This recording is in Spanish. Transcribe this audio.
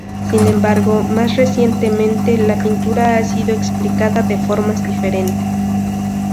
Sin embargo, más recientemente, la pintura ha sido explicada de formas diferentes.